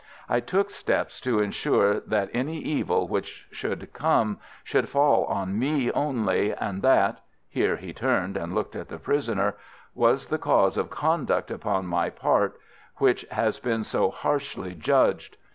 I took steps to insure that any evil which might come should fall on me only, and that"—here he turned and looked at the prisoner—"was the cause of conduct upon my part which has been too harshly judged.